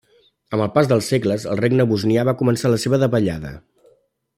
Amb el pas dels segles, el Regne bosnià va començar la seva davallada.